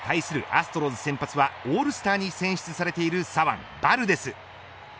アストロズ先発はオールスターに選出されている左腕バルデス。